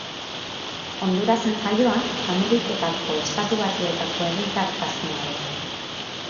Hondurasen jaioa, Ameriketako Estatu Batuetako herritartasuna du.